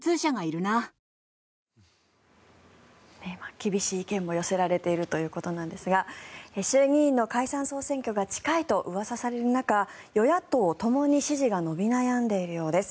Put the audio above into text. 厳しい意見も寄せられているということなんですが衆議院の解散・総選挙が近いとうわさされる中与野党ともに支持が伸び悩んでいるようです。